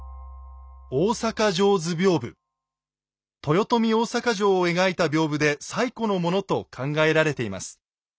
豊臣大坂城を描いた屏風で最古のものと考えられています。